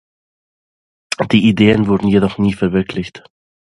Die Ideen wurden jedoch nie verwirklicht.